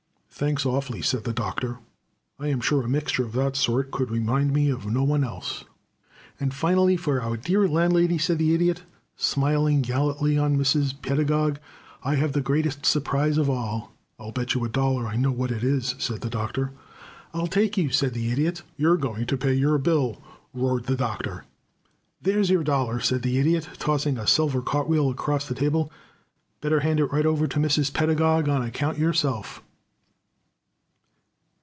"Thanks, awfully," said the Doctor. "I am sure a mixture of that sort could remind me of no one else." "And, finally, for our dear Landlady," said the Idiot, smiling gallantly on Mrs. Pedagog, "I have the greatest surprise of all." "I'll bet you a dollar I know what it is," said the Doctor. "I'll take you," said the Idiot. "You're going to pay your bill!" roared the Doctor. "There's your dollar," said the Idiot, tossing a silver cartwheel across the table. "Better hand it right over to Mrs. Pedagog on account, yourself."